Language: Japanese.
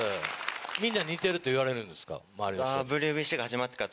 みんなに似てるって言われるんですか？